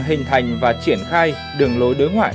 hình thành và triển khai đường lối đối ngoại